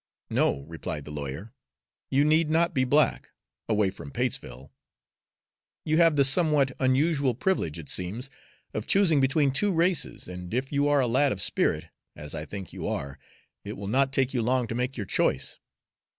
"No," replied the lawyer, "you need not be black, away from Patesville. You have the somewhat unusual privilege, it seems, of choosing between two races, and if you are a lad of spirit, as I think you are, it will not take you long to make your choice.